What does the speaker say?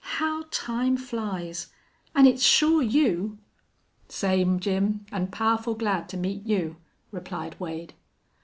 How time flies! An' it's shore you?" "Same, Jim, an' powerful glad to meet you," replied Wade.